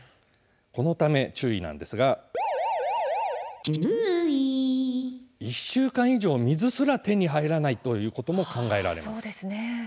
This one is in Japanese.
このため注意なんですが１週間以上、水すら手に入らないということも考えられます。